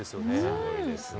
すごいですね。